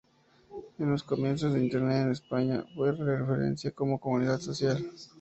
En los comienzos de Internet en España, fue la referencia como comunidad social.